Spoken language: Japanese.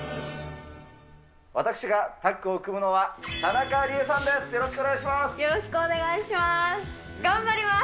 私がタッグを組むのは、田中理恵さんです。